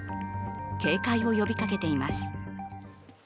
警戒を呼びかけています。